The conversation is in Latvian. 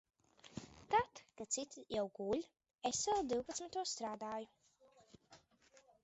Tad, kad citi jau guļ, es vēl divpadsmitos strādāju.